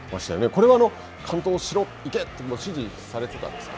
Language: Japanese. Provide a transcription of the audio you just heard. これは完投しろ、行けって指示されてたんですか。